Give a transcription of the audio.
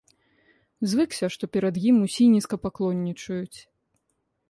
Звыкся, што перад ім усе нізкапаклоннічаюць.